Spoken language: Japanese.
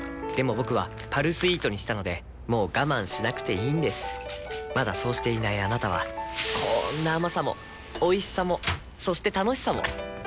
僕は「パルスイート」にしたのでもう我慢しなくていいんですまだそうしていないあなたはこんな甘さもおいしさもそして楽しさもあちっ。